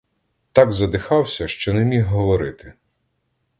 Так задихався, що не міг говорити.